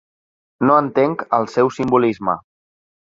No entenc el seu simbolisme.